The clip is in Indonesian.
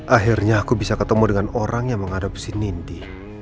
akhirnya aku bisa ketemu dengan orang yang menghadapi nindy